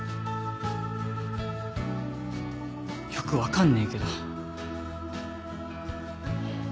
よく分かんねえけど。